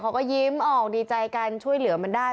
เขาก็ยิ้มออกดีใจกันช่วยเหลือมันได้